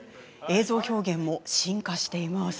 映像表現も進化しています。